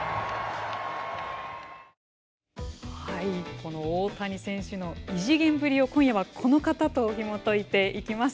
この大谷選手の異次元ぶりを今夜はこの方とひもといていきます。